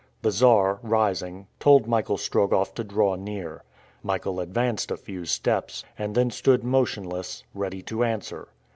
The Czar, rising, told Michael Strogoff to draw near. Michael advanced a few steps, and then stood motionless, ready to answer.